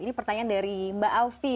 ini pertanyaan dari mbak alvi